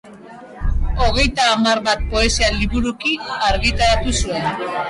Hogeita hamar bat poesia-liburuki argitaratu zuen.